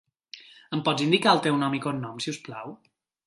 Em pots indicar el teu nom i cognom, si us plau?